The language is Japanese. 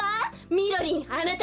みろりんあなた